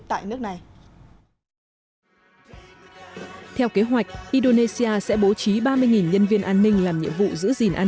tại nước này theo kế hoạch indonesia sẽ bố trí ba mươi nhân viên an ninh làm nhiệm vụ giữ gìn an